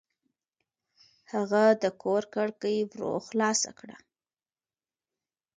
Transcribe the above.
هغه د کور کړکۍ ورو خلاصه کړه.